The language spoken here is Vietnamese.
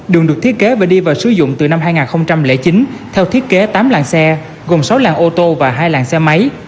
đường được thiết kế và đi vào sử dụng từ năm hai nghìn chín theo thiết kế tám làng xe gồm sáu làng ô tô và hai làng xe máy